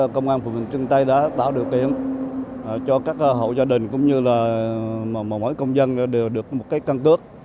công an phường bình trưng tây đã tạo điều kiện cho các hộ gia đình cũng như là mỗi công dân đều được một cái căn cước